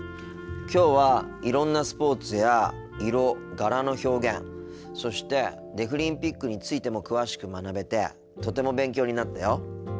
きょうはいろんなスポーツや色柄の表現そしてデフリンピックについても詳しく学べてとても勉強になったよ。